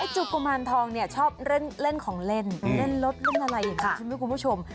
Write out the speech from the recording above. จุกกุมานทองชอบเล่นของเล่นเล่นรถเล่นอะไรอย่างนี้สิว่าคุณผู้ชม